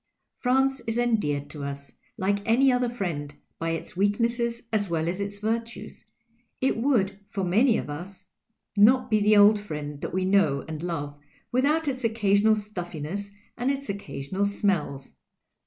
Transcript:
France is endeared to us, like any other friend, by its weaknesses as well as its virtues ; it would, for many of us, not be the old friend that we know and love without its occasional stuUincss and its occasional smells.